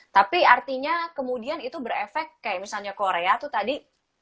tapi artinya kemudian itu berefek kayak misalnya korea tuh tadi